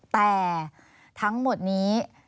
แต่ทั้งหมดนี้